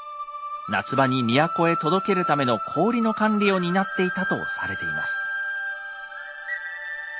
夏場に都へ届けるための氷の管理を担っていたとされています。